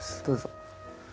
どうぞ。